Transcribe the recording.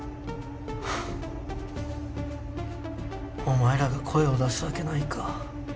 お前らが声を出すわけないか。